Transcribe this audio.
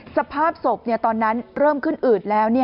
สภาพศพตอนนั้นเริ่มขึ้นอืดแล้ว